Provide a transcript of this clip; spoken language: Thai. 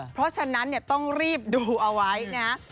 เพราะฉะนั้นเนี่ยต้องรีบดูเอาไว้นะฮะ